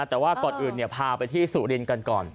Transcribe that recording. แต่ว่าก่อนอื่นเนี่ยพาไปที่สุรินกันก่อน